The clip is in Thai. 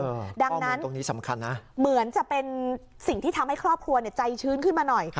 ดังนั้นตรงนี้สำคัญนะเหมือนจะเป็นสิ่งที่ทำให้ครอบครัวเนี้ยใจชื้นขึ้นมาหน่อย